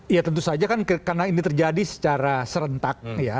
ya tentu saja kan karena ini terjadi secara serentak ya